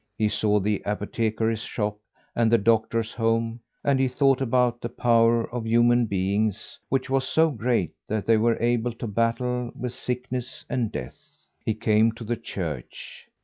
He saw the apothecary's shop and the doctor's home, and he thought about the power of human beings, which was so great that they were able to battle with sickness and death. He came to the church.